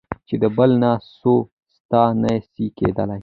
چي د بل نه سوه. ستا نه سي کېدلی.